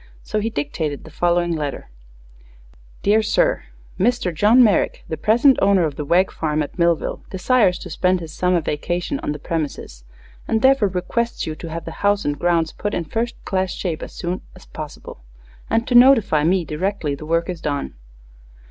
So he dictated the following letter: Dear Sir: _Mr. John Merrick, the present owner of the Wegg farm at Millville, desires to spend his summer vacation on the premises, and therefore requests you to have the house and grounds put in first class shape as soon as possible, and to notify me directly the work is done.